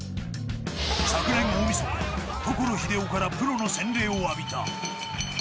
昨年、大みそか所英男からプロの洗礼を浴びた。